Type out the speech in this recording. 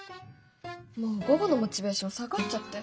もう午後のモチベーション下がっちゃって。